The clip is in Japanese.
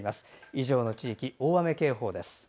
以上の地域、大雨警報です。